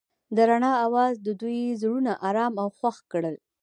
د رڼا اواز د دوی زړونه ارامه او خوښ کړل.